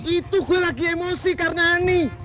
itu gue lagi emosi karena ini